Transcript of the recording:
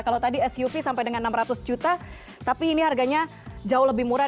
kalau tadi suv sampai dengan enam ratus juta tapi ini harganya jauh lebih murah